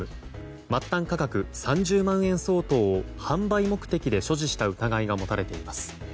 末端価格３０万円相当を販売目的で所持した疑いが持たれています。